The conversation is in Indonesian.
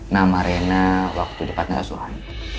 nama reina waktu di pantai asuhan